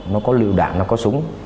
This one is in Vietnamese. nó có lựu đạn nó có súng